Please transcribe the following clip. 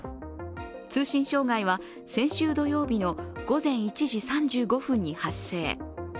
通信障害は先週土曜日の午前１時３５分に発生。